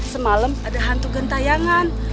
semalam ada hantu gentayangan